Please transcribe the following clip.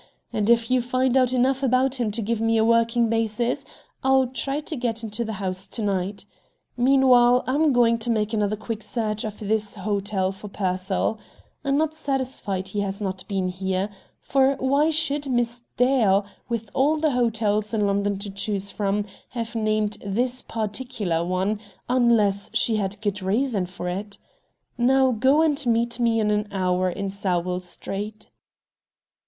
And, if you find out enough about him to give me a working basis, I'll try to get into the house to night. Meanwhile, I'm going to make another quick search of this hotel for Pearsall. I'm not satisfied he has not been here. For why should Miss Dale, with all the hotels in London to choose from, have named this particular one, unless she had good reason for it? Now, go, and meet me in an hour in Sowell Street."